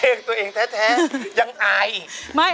เพลงตัวเองแท้แท้ยังอาย